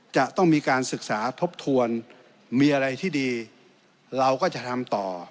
จะต้องมีการศึกษาทบทวนมีอะไรที่ดีเราก็จะทำต่อ